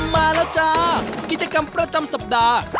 มาแล้วจ้ากิจกรรมประจำสัปดาห์